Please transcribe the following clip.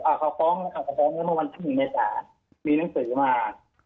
อ่าเขาป้องอ่าเขาป้องแล้วเมื่อวันที่หนึ่งเมษามีหนังสือมา